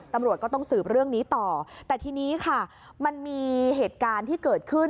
ตำรวจต้องสืบเรื่องนี้ต่อแต่มีเหตุการณ์ที่เกิดขึ้น